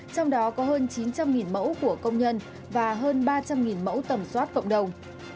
trong đó có hơn chín trăm linh mẫu của công nhân và hơn ba trăm linh mẫu tầm soát cộng đồng